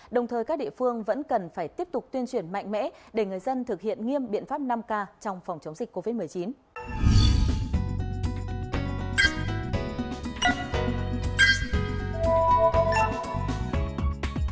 đồng thời các địa phương vẫn cần phải tiếp tục tuyên truyền mạnh mẽ để người dân thực hiện nghiêm biện pháp năm k trong phòng chống dịch covid một mươi chín